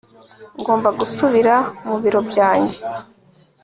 ngomba gusubira mu biro byanjye